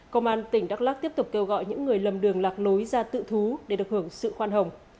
công an tỉnh đắk lắc tiếp tục kêu gọi những người lầm đường lạc lối ra tự thú để được hưởng sự khoan hồng